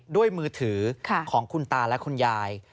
ด้วยมือถือของคุณตาและคุณยาย